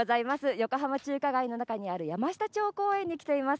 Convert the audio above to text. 横浜中華街の中にある山下町公園に来ています。